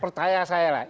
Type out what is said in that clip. percaya saya lah